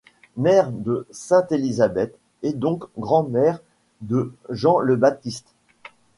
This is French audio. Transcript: Mère de sainte Elisabeth et donc grand-mère de Jean le Baptiste.